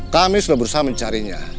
kami sudah berusaha mencarinya